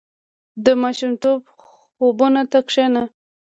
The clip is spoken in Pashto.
• د ماشومتوب خوبونو ته کښېنه.